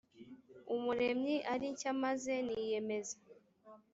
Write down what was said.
umuremyi ari nshya maze niyemeza